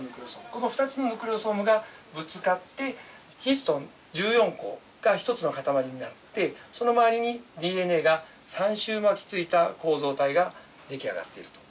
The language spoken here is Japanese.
この２つのヌクレオソームがぶつかってヒストン１４個が１つのかたまりになってその周りにＤＮＡが３周巻きついた構造体が出来上がっていると。